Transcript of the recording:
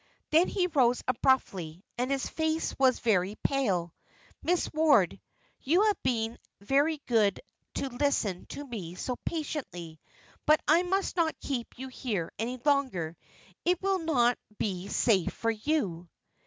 Then he rose abruptly, and his face was very pale. "Miss Ward, you have been very good to listen to me so patiently, but I must not keep you here any longer; it will not be safe for you."